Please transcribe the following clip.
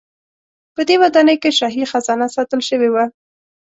په دې ودانۍ کې شاهي خزانه ساتل شوې وه.